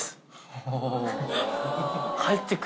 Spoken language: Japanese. お！